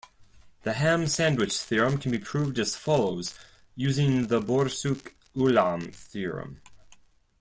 The ham sandwich theorem can be proved as follows using the Borsuk-Ulam theorem.